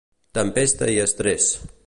Tempesta i estrès